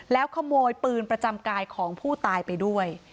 แล้วขโมยปืนประจำกายของผู้ตายไปด้วย